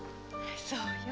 そうよ。